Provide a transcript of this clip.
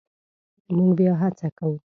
مونږ بیا هڅه کوو